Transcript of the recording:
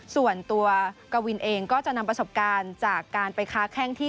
ส่วนตัวกวินเองก็จะนำประสบการณ์จากการไปค้าแข้งที่